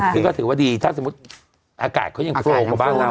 ซึ่งก็ถือว่าดีถ้าสมมุติอากาศเขายังโตกว่าบ้านเรา